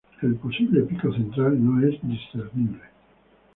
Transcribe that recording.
El posible pico central no es discernible.